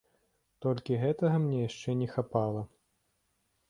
Толькі гэтага мне яшчэ не хапала!